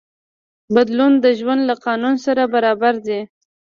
بدلون د ژوند له قانون سره برابر دی.